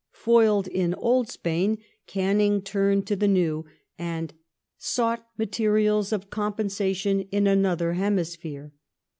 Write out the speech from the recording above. New Foiled in Old Spain, Canning turned to the New, and " sought ^^'" materials of compensation in another hemisphere".